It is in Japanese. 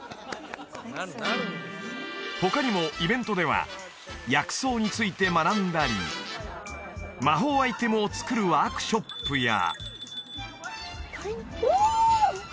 他にもイベントでは薬草について学んだり魔法アイテムを作るワークショップや鳥うお！